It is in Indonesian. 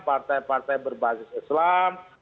partai partai berbasis islam